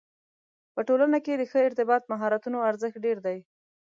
په ټولنه کې د ښه ارتباط مهارتونو ارزښت ډېر دی.